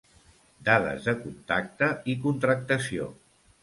Dades de contacte i contractació.